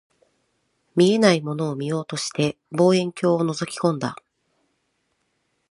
見えないものを見ようとして、望遠鏡を覗き込んだ